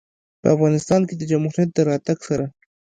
په افغانستان کې د جمهوریت د راتګ سره